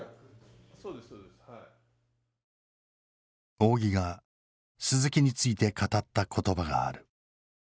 仰木が鈴木について語った言葉がある。